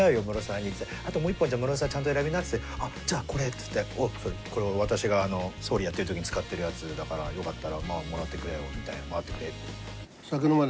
「あともう１本じゃあムロさんちゃんと選びな」っつって「じゃあこれ」っつって「おう。これは私が総理やってるときに使ってるやつだからよかったらまあもらってくれよ」みたいな。